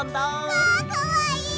わあかわいい！